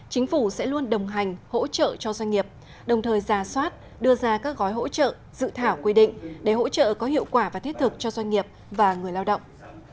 chính phủ sẽ luôn đồng hành hỗ trợ cho doanh nghiệp đồng thời ra soát đưa ra các gói hỗ trợ dự thảo quy định để hỗ trợ có hiệu quả và thiết thực cho doanh nghiệp và người lao động